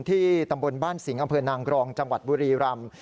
ที่ตำบลบ้านสิงห์อำเภอนางกรองจังหวัดบุรีรำ